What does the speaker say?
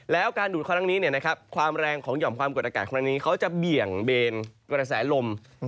แล้วการดูดค่อนข้างนี้เนี่ยนะครับความแรงของหย่อมความกดอากาศค่อนข้างนี้เขาจะเบี่ยงเบนกระแสลม